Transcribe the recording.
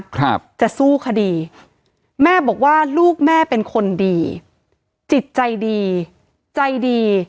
ครับจะสู้คดีแม่บอกว่าลูกแม่เป็นคนดีจิตใจดีใจดี